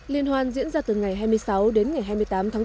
liên hoan diễn ra từ ngày hai mươi sáu đến ngày hai mươi tám tháng bốn